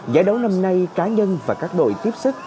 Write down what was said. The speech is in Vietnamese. giải đấu năm nay cá nhân và các đội tiếp sức